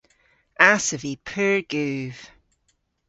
Ass ov vy pur guv.